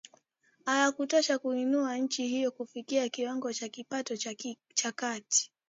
hayakutosha kuiinua nchi hiyo kufikia kiwango cha kipato cha kati